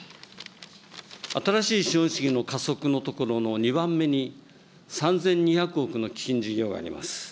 新しい資本主義の加速のところの２番目に、３２００億の基金事業があります。